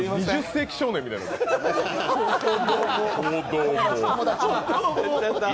「２０世紀少年」みたいになってる。